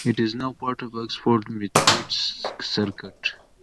It is now part of Oxford Methodist Circuit.